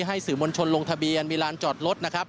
ให้สื่อมวลชนลงทะเบียนมีลานจอดรถนะครับ